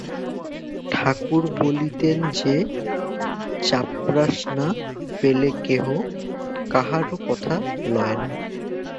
ঠাকুর বলিতেন যে, চাপরাস না পেলে কেহ কাহারও কথা লয় না।